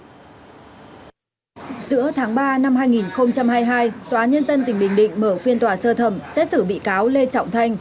giữa tháng ba năm hai nghìn hai mươi hai tòa nhân dân tỉnh bình định mở phiên tòa sơ thẩm xét xử bị cáo lê trọng thanh